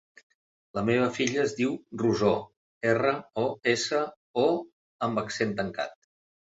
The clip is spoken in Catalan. La meva filla es diu Rosó: erra, o, essa, o amb accent tancat.